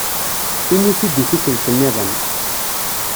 Ini-t-id i tikkelt-nniḍen.